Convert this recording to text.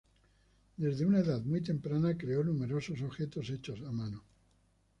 Desde una edad muy temprana creó numerosos objetos hechos a mano.